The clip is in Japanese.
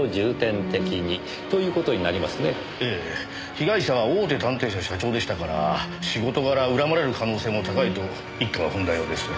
被害者は大手探偵社社長でしたから仕事柄恨まれる可能性も高いと一課は踏んだようです。